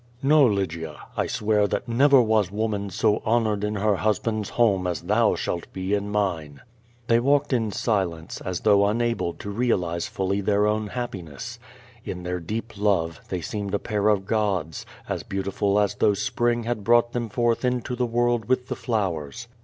"Xo, Lygia! I swear that never was woman so honored in her husband's home as thou shalt be in mine." They walked in silence, as though unable to realize fully their own happiness. In their deep love, they seemed a pair of gods, as beautiful as though Spring had brought them forth into the world with the flowers.